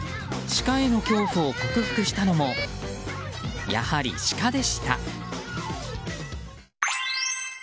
シカへの恐怖を克服したのもやはり、シカでした。